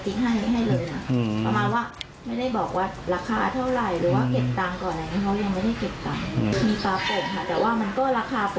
ถ้า๒๐๓๐บาทก็พอรับได้